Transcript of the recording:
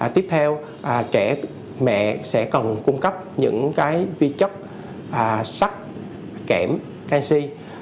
tiếp theo trẻ mẹ sẽ cần cung cấp những vi chất sắc kẻm canxi